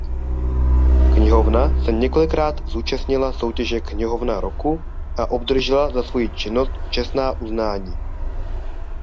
Knihovna se několikrát zúčastnila soutěže Knihovna roku a obdržela za svoji činnost Čestná uznání.